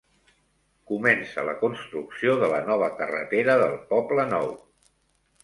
Comença la construcció de la nova carretera del Poble Nou.